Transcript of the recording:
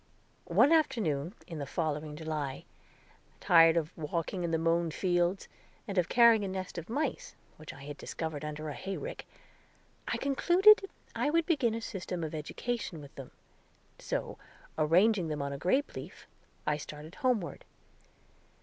One afternoon in the following July, tired of walking in the mown fields, and of carrying a nest of mice, which I had discovered under a hay rick, I concluded I would begin a system of education with them; so arranging them on a grape leaf, I started homeward.